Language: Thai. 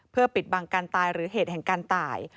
เพื่อปิดบังการตายหรือเหตุแห่งการตาย